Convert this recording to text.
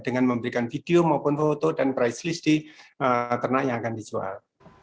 dengan memberikan video maupun foto dan price list di ternak yang akan dijual